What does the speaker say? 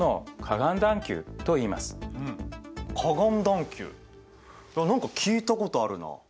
河岸段丘何か聞いたことあるな。